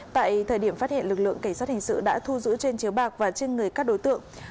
tại thời điểm phát hiện lực lượng cảnh sát hình sự đã thu giữ trên chiếu bạc và trên người các đối tượng